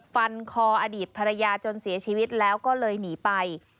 ฟันคออดีตภรรยาจนเสียชีวิตแล้วก็เลยหนีไป